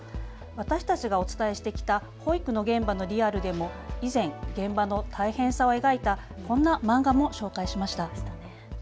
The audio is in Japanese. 私たちがお伝えしてきた保育の現場のリアルでも以前現場の大変さを描いたこんな漫画を紹介しました。